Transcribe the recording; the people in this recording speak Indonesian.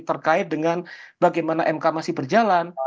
terkait dengan bagaimana mk masih berjalan